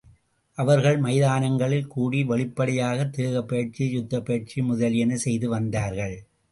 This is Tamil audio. அவர்கள் மைதானங்களில் கூடி வெளிப்படையாகத் தேகப்பயிற்சி, யுத்தப் பயிற்சி முதலியன செய்து வந்தார்கள்.